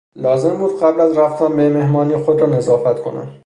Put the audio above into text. لازم بود قبل از رفتن به مهمانی خود را نظافت کنم.